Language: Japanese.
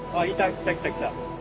来た来た来た。